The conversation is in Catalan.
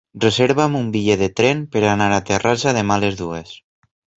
Reserva'm un bitllet de tren per anar a Terrassa demà a les dues.